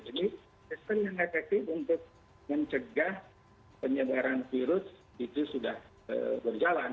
jadi sistem yang efektif untuk mencegah penyebaran virus itu sudah berjalan